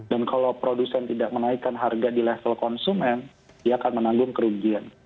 dan kalau produsen tidak menaikkan harga di level konsumen dia akan menanggung kerugian